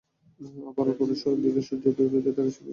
আবার অপর দিক সূর্যের বিপরীতে থাকে এবং সেই দিকটায় রাত হয়।